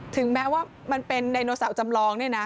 ถึงแม้ว่ามันเป็นไดโนเสาร์จำลองเนี่ยนะ